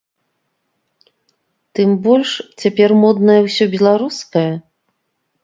Тым больш, цяпер моднае ўсё беларускае?